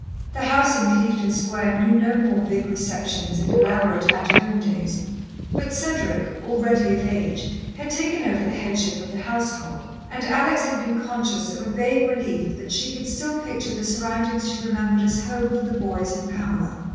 The house in Clevedon Square knew no more big receptions and elaborate At Home days, but Cedric, already of age, had taken over the headship of the household, and Alex had been conscious of a vague relief that she could still picture the surroundings she remembered as home for the boys and Pamela.